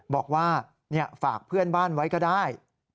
บอกว่าฝากเพื่อนบ้านไว้ก็ได้